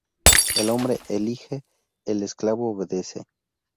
El hombre elige, el esclavo obedece